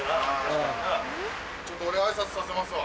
ちょっと俺挨拶させますわ。